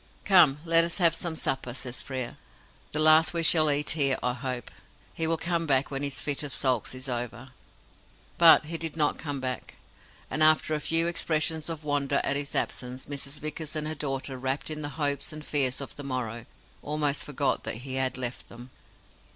"Come, let us have some supper," says Frere. "The last we shall eat here, I hope. He will come back when his fit of sulks is over." But he did not come back, and, after a few expressions of wonder at his absence, Mrs. Vickers and her daughter, rapt in the hopes and fears of the morrow, almost forgot that he had left them.